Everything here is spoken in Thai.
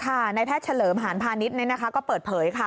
ในแพทย์เฉลิมหานพาณิชย์ก็เปิดเผยค่ะ